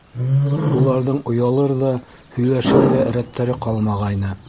Уларҙың оялыр ҙа, һөйләшер ҙә рәттәре ҡалмағайны.